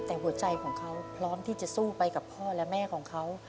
แต่หัวใจของเขาพร้อมที่จะสู้ไปกับพ่อและแม่ของเขา